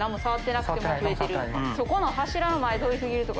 そこの柱の前通り過ぎるとか？